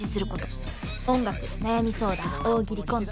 音楽悩み相談大喜利コント。